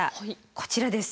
こちらです。